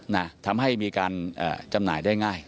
นะทำให้มีการจำหน่ายได้ง่าย